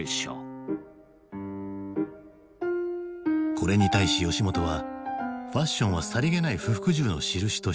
これに対し吉本は「ファッションはさりげない不服従のしるし」として一蹴。